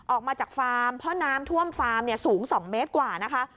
ออกมาจากฟาร์มเพราะน้ำท่วมฟาร์มสูง๒เมตรกว่านะคะ